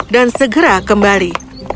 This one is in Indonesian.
dan segera kembali